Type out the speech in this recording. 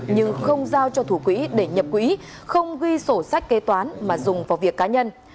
nhưng không giao cho thủ quỹ để nhập quỹ không ghi sổ sách kế toán mà dùng vào việc cá nhân